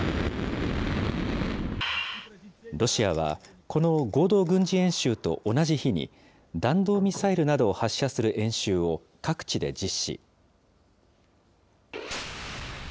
ロシアはこの合同軍事演習と同じ日に、弾道ミサイルなどを発射する演習を各地で実施。